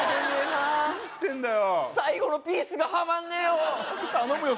最後のピースがはまんねえよ頼むよ